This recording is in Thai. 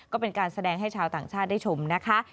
ก็เป็นการแสดงให้ชาวต่างชาติได้ชมนะคะ